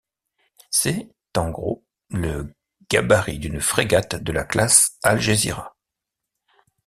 C’est, en gros, le gabarit d’une frégate de la classe Algésiras.